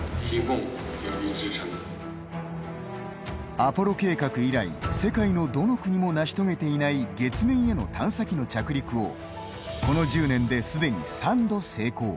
アポロ計画以来世界のどの国も成し遂げていない月面への探査機の着陸をこの１０年ですでに３度成功。